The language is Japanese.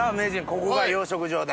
ここが養殖場で。